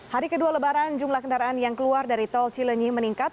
hari kedua lebaran jumlah kendaraan yang keluar dari tol cilenyi meningkat